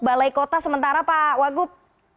balai kota sementara pak wagub